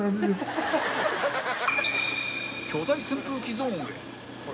巨大扇風機ゾーンへ